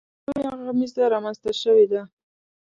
لویه غمیزه رامنځته شوې ده.